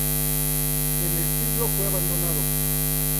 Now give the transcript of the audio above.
En el siglo fue abandonado.